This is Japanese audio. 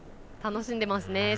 楽しんでいますね。